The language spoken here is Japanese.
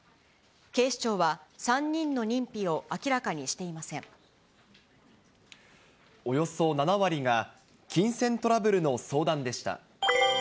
警視庁は３人の認否を明らかにしおよそ７割が金銭トラブルの相談でした。